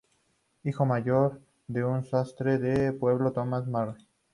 Hijo mayor de un sastre de pueblo, Thomas Murray.